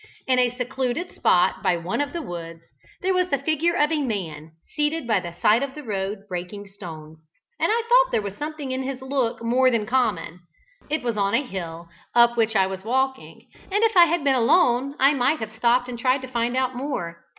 In a secluded spot by one of the woods, there was the figure of a man seated by the side of the road breaking stones, and I thought there was something in his look more than common. It was on a hill, up which I was walking, and if I had been alone I might have stopped and tried to find out more.